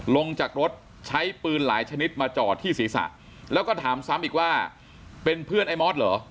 ลงจากรถใช้ปืนหลายชนิดมาจอดที่ศีรษะแล้วก็ถามซ้ำอีกว่าเป็นเพื่อนไอ้มอสเหรอ